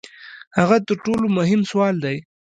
هغه تر ټولو مهم سوال دی.